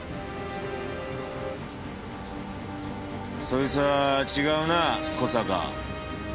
そいつは違うなぁ小坂。